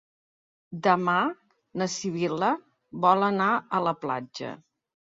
Demà na Sibil·la vol anar a la platja.